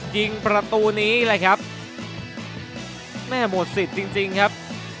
ยิงประตูนี้เลยครับแม่หมดสิทธิ์จริงจริงครับ